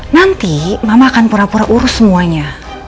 nanti mama akan pura pura urus semuanya